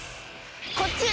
こっち！